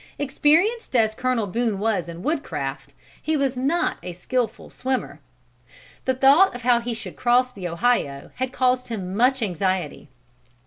Experienced as Colonel Boone was in wood craft, he was not a skilful swimmer. The thought of how he should cross the Ohio had caused him much anxiety.